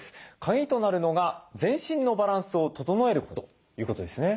カギとなるのが全身のバランスを整えることですね。